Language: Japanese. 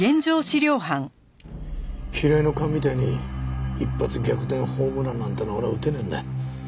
平井の勘みたいに一発逆転ホームランなんてのは俺は打てないんだよ。